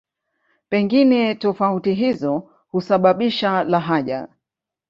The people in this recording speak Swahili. Pengine tofauti hizo husababisha lahaja.